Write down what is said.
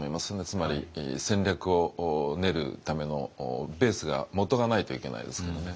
つまり戦略を練るためのベースがもとがないといけないですからね。